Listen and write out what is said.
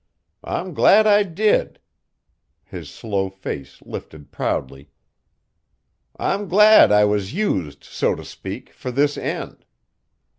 I'm glad I did!" His slow face lifted proudly. "I'm glad I was used, so t' speak, fur this end.